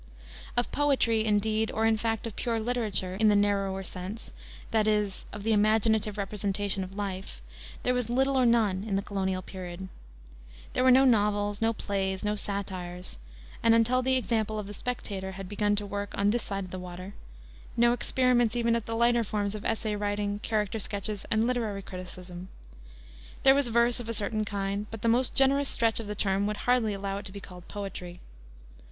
Of poetry, indeed, or, in fact, of pure literature, in the narrower sense that is, of the imaginative representation of life there was little or none in the colonial period. There were no novels, no plays, no satires, and until the example of the Spectator had begun to work on this side the water no experiments even at the lighter forms of essay writing, character sketches, and literary criticism. There was verse of a certain kind, but the most generous stretch of the term would hardly allow it to be called poetry.